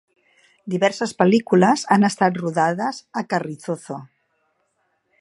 Diverses pel·lícules han estat rodades a Carrizozo.